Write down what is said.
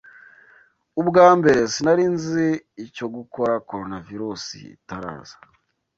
Ubwa mbere, sinari nzi icyo gukora Coronavirus itaraza.